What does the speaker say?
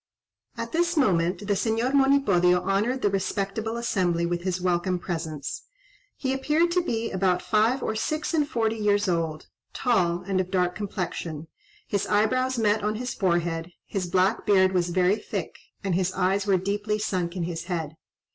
At this moment the Señor Monipodio honoured the respectable assembly with his welcome presence. He appeared to be about five or six and forty years old, tall, and of dark complexion; his eyebrows met on his forehead, his black beard was very thick, and his eyes were deeply sunk in his head.